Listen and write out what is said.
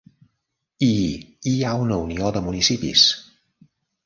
I hi ha una Unió de Municipis.